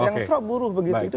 yang serah buruh begitu